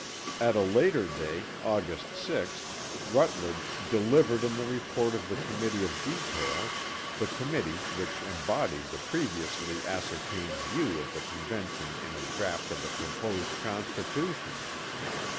At a later day, August 6th, Rutledge 'delivered in the Report of the Committee of Detail,' the committee which embodied the previously ascertained views of the Convention in a draught of the proposed Constitution.